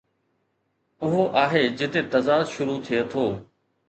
اهو آهي جتي تضاد شروع ٿئي ٿو.